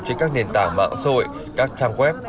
trên các nền tảng mạng xã hội các trang web